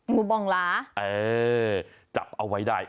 บองหลาเออจับเอาไว้ได้